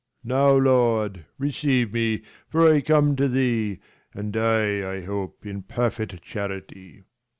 225 Now, Lord, receive me, for I come to thee, And die, I hope, in perfit charity.